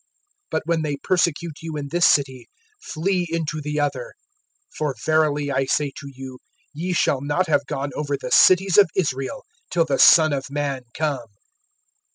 (23)But when they persecute you in this city, flee into the other; for verily I say to you, ye shall not have gone over the cities of Israel, till the Son of man come.